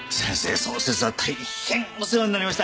その節は大変お世話になりました